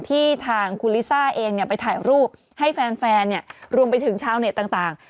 ที่ทางคุณลิซ่าเองไปถ่ายรูปให้แฟนรวมไปถึงชาวเน็ตต่าง